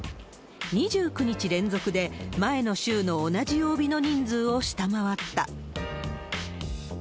２９日連続で前の週の同じ曜日の人数を下回った。